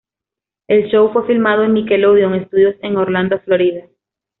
El show fue filmado en Nickelodeon Studios en Orlando, Florida.